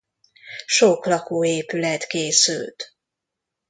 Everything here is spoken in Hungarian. Sok lakóépület készült.